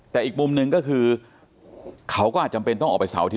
แต่อีกมุมหนึ่งก็คือเขาก็อาจจำเป็นต้องออกไปเสาร์อาทิต